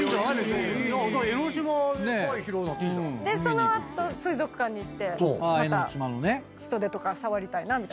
その後水族館に行ってまたヒトデとか触りたいなみたいな。